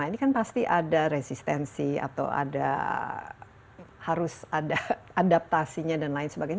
ini kan pasti ada resistensi atau ada harus ada adaptasinya dan lain sebagainya